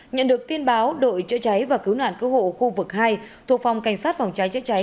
nhận được tin báo đội chữa cháy và cứu nạn cứu hộ khu vực hai thuộc phòng cảnh sát phòng cháy chữa cháy